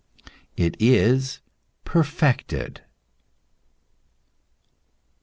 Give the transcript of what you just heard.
It is perfected.